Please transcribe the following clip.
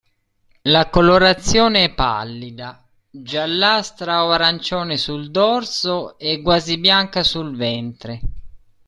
La colorazione è pallida, giallastra o arancione sul dorso e quasi bianca sul ventre.